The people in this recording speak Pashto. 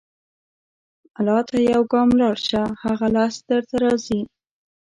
الله ته یو ګام لاړ شه، هغه لس درته راځي.